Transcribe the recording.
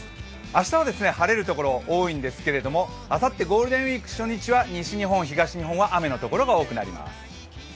明日は晴れる所が多いんですけれどもも、あさってゴールデンウイーク初日は西日本、東日本は雨のところが多くなります。